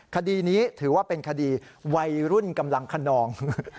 คดีนี้ถือว่าเป็นคดีวัยรุ่นกำลังขนอง